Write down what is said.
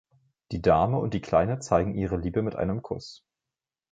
Die Dame und die Kleine zeigen ihre Liebe mit einem Kuss